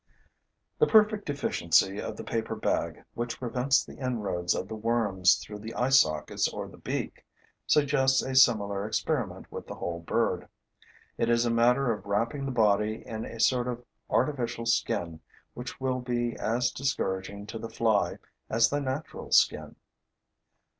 The perfect efficiency of the paper bag, which prevents the inroads of the worms through the eye sockets or the beak, suggests a similar experiment with the whole bird. It is a matter of wrapping the body in a sort of artificial skin which will be as discouraging to the fly as the natural skin.